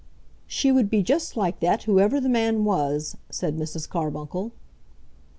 "She would be just like that whoever the man was," said Mrs. Carbuncle.